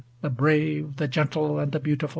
The brave, the gentle and the beautiful.